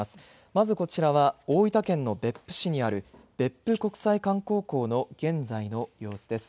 まずこちらは大分県の別府市にある別府国際観光港の現在の様子です。